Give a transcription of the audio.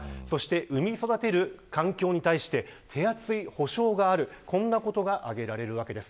そして、生み育てる環境に対して手厚い保障があるこんなことが挙げられます。